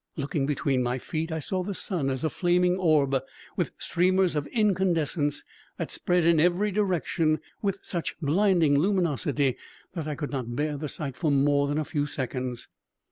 Looking between my feet I saw the sun as a flaming orb with streamers of incandescence that spread in every direction with such blinding luminosity that I could not bear the sight for more than a few seconds.